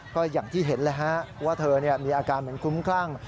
ก็อย่างที่เห็นเลยฮะว่าเธอมีอาการเหมือนคุ้มคลั่ง